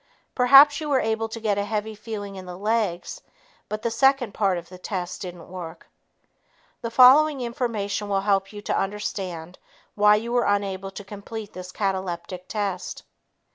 Perhaps you were able to get a heavy feeling in the legs, but the second part of the test didn't work. The following information will help you to understand why you were unable to complete this cataleptic test.